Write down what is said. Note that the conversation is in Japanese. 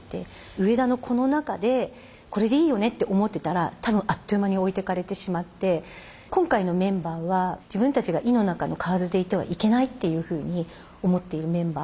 上田のこの中でこれでいいよねって思ってたら多分あっという間に置いてかれてしまって今回のメンバーは自分たちが井の中のかわずでいてはいけないっていうふうに思っているメンバー。